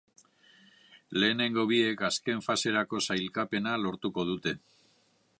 Lehenengo biak azken faserako sailkapena lortuko dute.